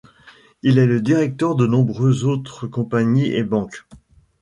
Il est le directeur de nombreuses autres compagnies et banques.